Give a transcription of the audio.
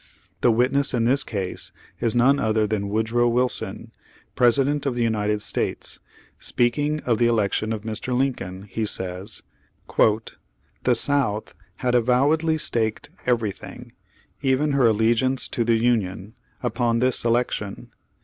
The witness in this case is none other than Woodrow Wilson, President of the United States. Speaking of the election of Mr. Lincoln, he says : "The South had avowedly staked everything, even her allegiance to the Union, upon this election.